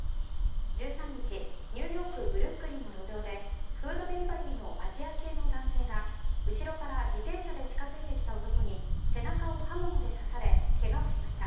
１３日、ニューヨーク・ブルックリンの路上でフードデリバリーのアジア系の男性が後ろから自転車で近付いてきた男に背中を刃物で刺され怪我をしました。